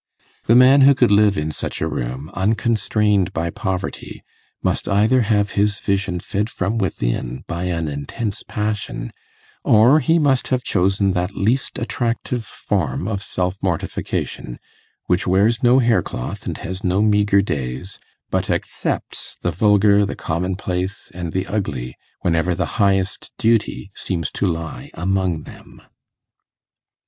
The man who could live in such a room, unconstrained by poverty, must either have his vision fed from within by an intense passion, or he must have chosen that least attractive form of self mortification which wears no haircloth and has no meagre days, but accepts the vulgar, the commonplace, and the ugly, whenever the highest duty seems to lie among them.